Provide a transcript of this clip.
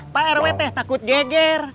pak rwt takut geger